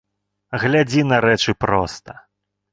Глядзі на рэчы проста.